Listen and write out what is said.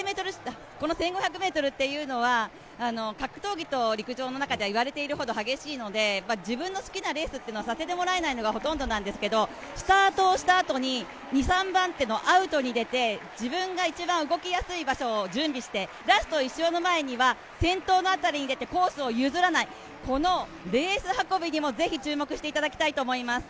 １５００ｍというのは格闘技と、陸上の中で言われているほど激しいので、自分の好きなレースをさせてもらえないのがほとんどなんですけれども、スタートをしたあとに２・３番手のアウトに出て、自分が一番動きやすい場所を準備してラスト１周の前には先頭の辺りに出てコースを譲らない、このレース運びにもぜひ注目していただきたいと思います。